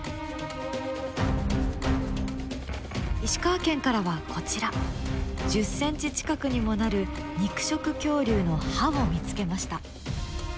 石川県からはこちら１０ｃｍ近くにもなる肉食恐竜の歯を見つけました。